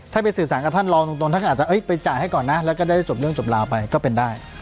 ถ้าไปสื่อสารกับท่านรองตรงท่านก็อาจจะไปจ่ายให้ก่อนนะแล้วก็ได้จบเรื่องจบราวไปก็เป็นได้